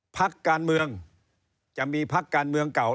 พักการเมืองจะมีพักการเมืองเก่า